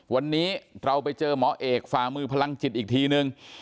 วันนี้เราไปเจอหมอเอกฝ่ามือพลังจิตอีกทีนึง